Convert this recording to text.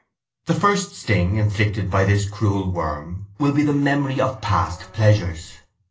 The first sting inflicted by this cruel worm will be the memory of past pleasures.